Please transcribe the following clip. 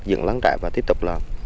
dựng lán chạy và tiếp tục